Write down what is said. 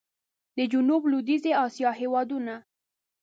د جنوب لوېدیځي اسیا هېوادونه